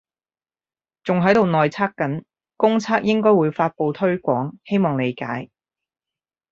仲喺度內測緊，公測應該會發佈推廣，希望理解